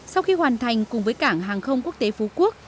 sau khi hoàn thành cùng với cảng hàng không quốc tế phú quốc